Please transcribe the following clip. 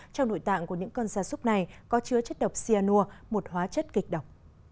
trong nội tạng của những con gia súc này có chứa chất độc cyanur một hóa chất kịch độc